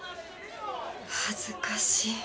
恥ずかしい。